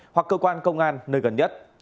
hoặc cơ quan công an nơi gần nhất